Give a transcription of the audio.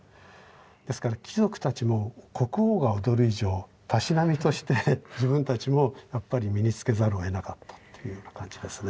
ですから貴族たちも国王が踊る以上たしなみとして自分たちもやっぱり身につけざるをえなかったというような感じですね。